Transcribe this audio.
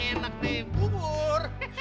enak nih bubur